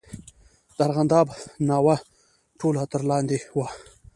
د ارغنداب ناوه ټوله تر لاندې ده.